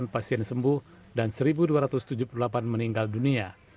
empat delapan ratus tiga puluh delapan pasien sembuh dan satu dua ratus tujuh puluh delapan meninggal dunia